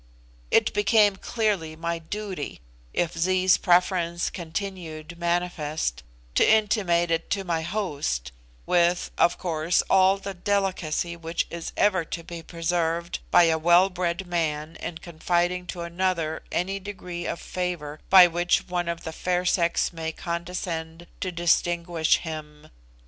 It became clearly my duty, if Zee's preference continued manifest, to intimate it to my host, with, of course, all the delicacy which is ever to be preserved by a well bred man in confiding to another any degree of favour by which one of the fair sex may condescend to distinguish him.